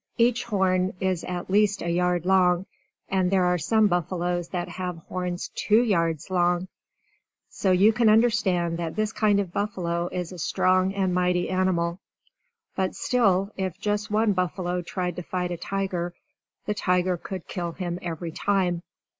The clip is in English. Each horn is at least a yard long; and there are some buffaloes that have horns two yards long! (See the picture facing the next page.) So you can understand that this kind of buffalo is a strong and mighty animal. But still, if just one buffalo tried to fight a tiger, the tiger could kill him every time.